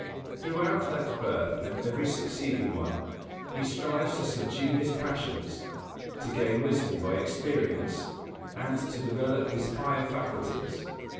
Throughout that birth and every succeeding one, he strives to subdue his passions, to gain wisdom by experience, and to develop his higher faculties.